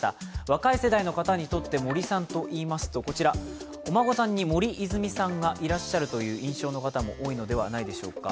若い世代の方にとって森さんといいますと、お孫さんに森泉さんがいらっしゃるという印象の方も多いのではないでしょうか。